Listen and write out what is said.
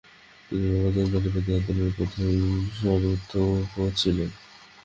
তিনি নবজাত নারীবাদী আন্দোলনের প্রাথমিক সমর্থকও ছিলেন।